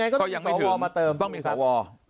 ก็ยังไม่ถึงต้องมีสว